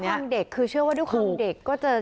ยังเด็กคือเชื่อว่าด้วยความเด็กก็จะ